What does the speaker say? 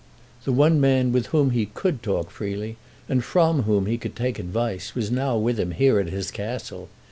The one man with whom he could talk freely, and from whom he could take advice, was now with him, here at his Castle.